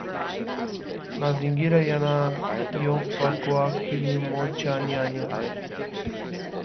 Mazingira yanayofaa kwa kilimo cha nyanya